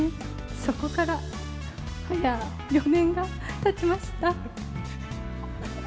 そこからはや４年がたちました。